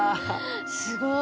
すごい。